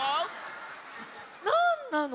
なんなの！